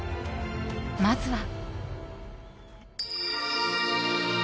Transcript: まずは。